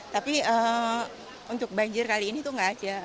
tapi untuk banjir kali ini tuh nggak ada